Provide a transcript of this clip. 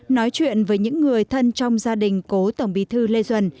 nói chuyện với những người thân trong gia đình cố tổng bí thư lê duẩn